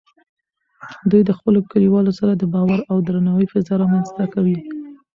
دوی د خپلو کلیوالو سره د باور او درناوي فضا رامینځته کوي.